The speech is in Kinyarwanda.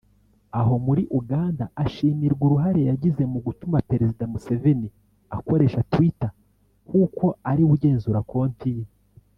aho muri Uganda ashimirwa uruhare yagize mu gutuma Perezida Museveni akoresha Twitter kuko ariwe ugenzura konti ye